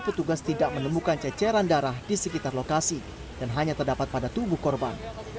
petugas tidak menemukan ceceran darah di sekitar lokasi dan hanya terdapat pada tubuh korban